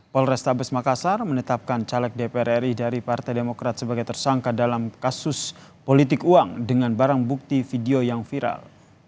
polrestabes makassar menetapkan caleg dpr ri dari partai demokrat sebagai tersangka dalam kasus politik uang dengan barang bukti video yang viral